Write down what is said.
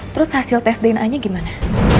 terus hasil tes dna nya gimana